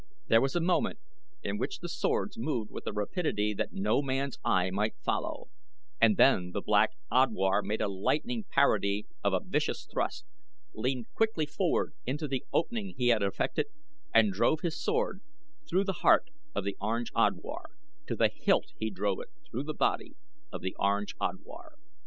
There was a moment in which the swords moved with a rapidity that no man's eye might follow, and then the Black Odwar made a lightning parry of a vicious thrust, leaned quickly forward into the opening he had effected, and drove his sword through the heart of the Orange Odwar to the hilt he drove it through the body of the Orange Odwar.